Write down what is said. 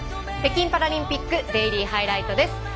北京パラリンピックデイリーハイライトです。